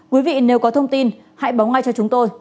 quý vị nếu có thông tin hãy báo ngay cho chúng tôi